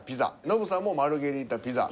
ノブさんも「マルゲリータピザ」。